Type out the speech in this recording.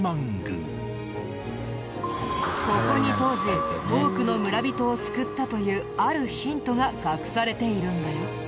ここに当時多くの村人を救ったというあるヒントが隠されているんだよ。